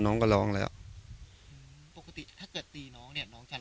มันน่าจะปกติบ้านเรามีก้านมะยมไหม